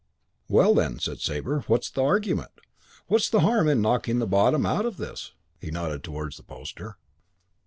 "Well, then?" said Sabre. "What's the argument? What's the harm in knocking the bottom out of this?" he nodded towards the poster.